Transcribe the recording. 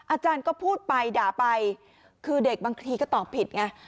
อาจารย์ก็พูดไปด่าไปคือเด็กบางทีก็ตอบผิดไง